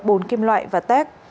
bồn kim loại và tét